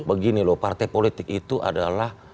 begini loh partai politik itu adalah